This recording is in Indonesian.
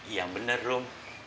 yang bener rum